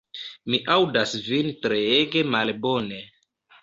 Mi aŭdas vin treege malbone.